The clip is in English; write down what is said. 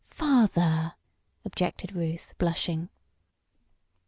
"Father!" objected Ruth, blushing.